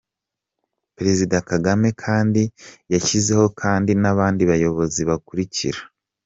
Perezida Kagame kandi yashyizeho kandi n’abandi bayobozi bakurikira:.